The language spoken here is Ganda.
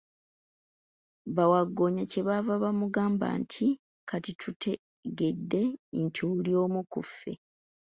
Bawagggoonya kye baava bamugamba nti, kati tutegedde nti oli omu ku ffe.